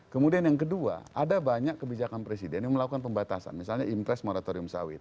kemudian yang kedua ada banyak kebijakan presiden yang melakukan pembatasan misalnya impres moratorium sawit